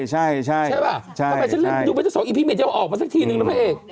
ใช่ป่ะทำไมฉันเล่นดูเวลาสองอีพีเมตรจะออกมาสักทีหนึ่งนะพระเอก